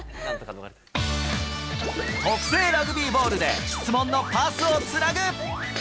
特製ラグビーボールで質問のパスをつなぐ。